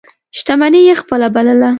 شتمني یې خپله بلله.